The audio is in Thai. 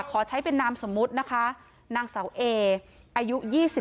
ขอใช้เป็นนามสมมุตินะคะนางเสาเออายุ๒๓